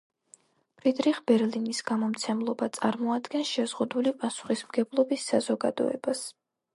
ფრიდრიხ ბერლინის გამომცემლობა წარმოადგენს შეზღუდული პასუხისმგებლობის საზოგადოებას.